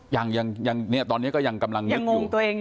ยังยังเนี่ยตอนนี้ก็ยังกำลังนึกอยู่